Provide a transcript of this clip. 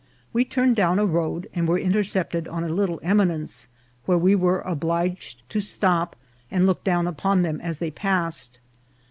"We turned down a road and were intercepted on a little eminence, where we were obliged to stop and look down upon them as they passed.